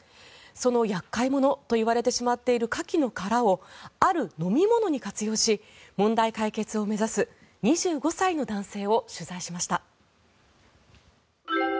その厄介者といわれてしまっているカキの殻をある飲み物に活用し問題解決を目指す２５歳の男性を取材しました。